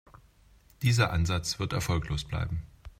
Dieser Ansatz wird erfolglos bleiben.